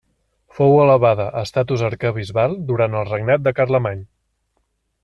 Fou elevada a estatus arquebisbal durant el regnat de Carlemany.